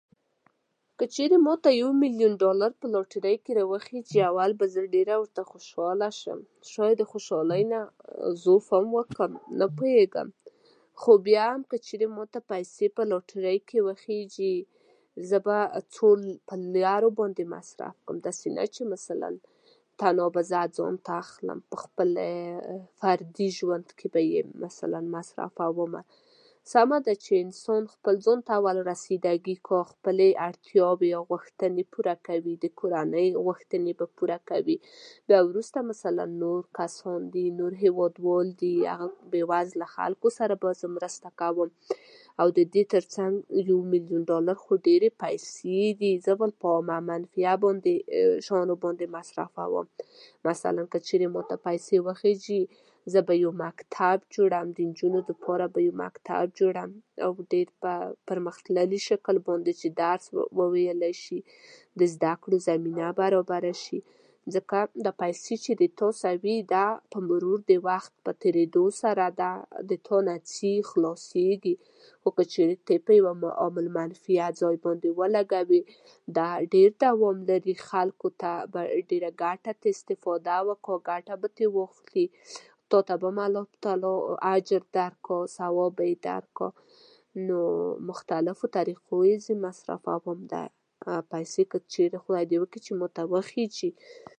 که چېرې ماته يو مليون ډالر په لاترۍ کې راوخېژي اول به زه ډېره ورته خوشاله شم شاید له خوشالۍ نه ضعف هم وکړم ، نه پوهېږم خو بيا هم که ماته پیسې په لاترۍ کې راوخيژي، زه به ټولې په لارو باندې مصرف کړم داسې نه چې مثلأ تنها به یې ځان ته اخلم په خپله فرضي ژوند کې به يې مثلأ مصرفومه، سمه ده چې انسان خپل ځانته اول رسيدګي کوي، خپلې اړتياوې او غوښتنې پوره کوي د کورنۍ غوښتنې به پوره کوي.بيا وروسته مثلأ نور کسان دي هېواد وال دي هغه هم بېوزله خلکو سره باید زه مرسته وکړم او د دې تر څنګ يو مليون ډالر خو ډېرې پیسې دي زه به په عام المنفعه شيانو باندې مصرفوم، مثلأ که چېرې ماته پیسې وخېژي زه به يو مکتب جوړوم د نجونو د پاره به يو مکتب جوړوم او په ډېر پرمختللي شکل باندې چې درس وویلی شي د زدکړو ضمینه برابره شي، ځکه دغه پيسې چې د تا سره وي په مرور د وخت په تېرېدو سره د تاسو څخه ځي ، خلاصېږي، خو که چېرې يې په عام المنفعه ځای باندې ولګوې دا به ډېر دوام ولري خلکو ته به ډېره ګټه او استفاده وکړي ، ګټه به ترې واخلي تاسو ته به هم الله تعالی اجر درکړي ، ثواب به درکړي، نو مختلفو طريقو يې زه مصرفوم دغه پيسې که چېرې خدای د وکړي چې ماته وخېژي